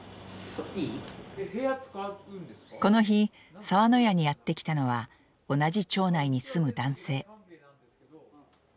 この日澤の屋にやって来たのは同じ町内に住む男性。